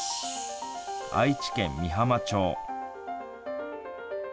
愛知県美浜町。